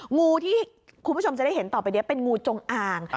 งูที่คุณผู้ชมจะได้เห็นต่อไปนี้เป็นงูจงอ่าง